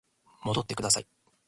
戻ってください